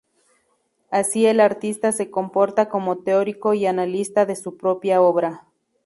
Así el artista se comporta como teórico y analista de su propia obra.